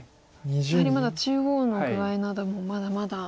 やはりまだ中央の具合などもまだまだ。